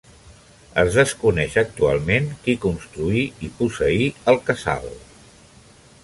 Es desconeix actualment qui construí i posseí el casal.